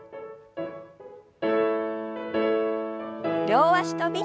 両脚跳び。